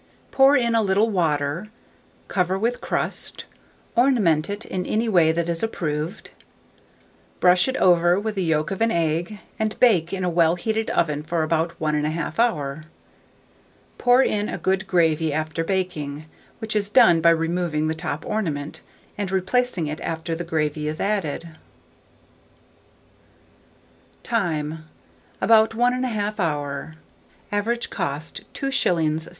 Pour in a little water, cover with crust, ornament it in any way that is approved; brush it over with the yolk of an egg, and bake in a well heated oven for about 1 1/2 hour. Pour in a good gravy after baking, which is done by removing the top ornament, and replacing it after the gravy is added. Time. About 1 1/2 hour. Average cost, 2s.